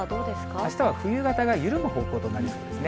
あしたは冬型が緩む方向となりそうですね。